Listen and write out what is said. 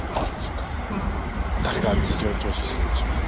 誰が事情聴取するんでしょう？